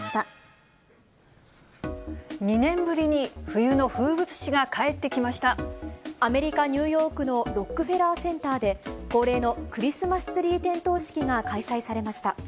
２年ぶりに冬の風物詩が帰っアメリカ・ニューヨークのロックフェラーセンターで、恒例のクリスマスツリー点灯式が開催されました。